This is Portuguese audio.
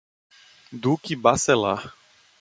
Duque Bacelar